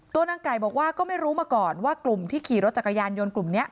นางไก่บอกว่าก็ไม่รู้มาก่อนว่ากลุ่มที่ขี่รถจักรยานยนต์กลุ่มนี้